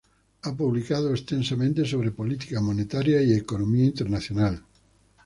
Ha publicado extensamente sobre política monetaria y economía internacional.